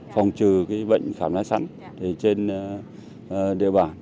phòng trừ bệnh khảm lá sắn trên địa bàn